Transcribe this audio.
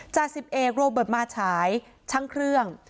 จาสิบเอกโรคบทมาชายช่างเครื่อง